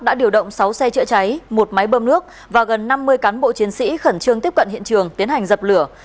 đã điều động sáu xe chữa cháy một máy bơm nước và gần năm mươi cán bộ chiến sĩ khẩn trương tiếp cận hiện trường tiến hành dập lửa